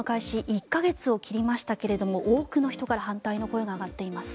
１か月を切りましたけれども多くの人から反対の声が上がっています。